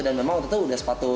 dan memang waktu itu sudah sepatu